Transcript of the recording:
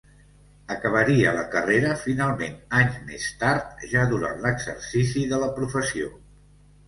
Acabaria la carrera finalment anys més tard, ja durant l'exercici de la professió.